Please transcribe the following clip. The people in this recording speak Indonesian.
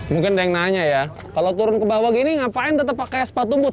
mungkin ada yang nanya ya kalau turun ke bawah gini ngapain tetap pakai sepatu but